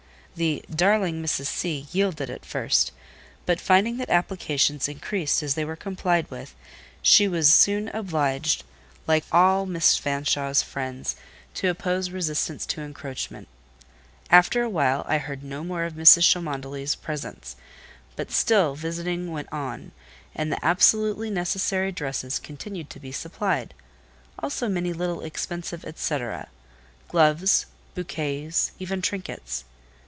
The "darling Mrs. C." yielded at first; but finding that applications increased as they were complied with, she was soon obliged, like all Miss Fanshawe's friends, to oppose resistance to encroachment. After a while I heard no more of Mrs. Cholmondeley's presents; but still, visiting went on, and the absolutely necessary dresses continued to be supplied: also many little expensive etcetera—gloves, bouquets, even trinkets.